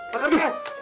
pak kadun pak kadun